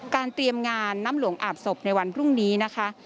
เตรียมงานน้ำหลวงอาบศพในวันพรุ่งนี้นะคะ